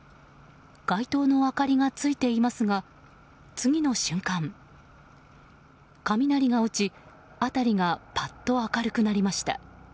街灯の明かりがついていますが次の瞬間雷が落ち辺りがパッと明るくなりました。